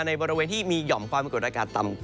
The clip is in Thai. บริเวณที่มีหย่อมความกดอากาศต่ำ